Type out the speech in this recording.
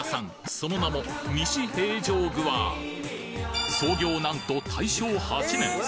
その名も西南門小創業なんと大正８年！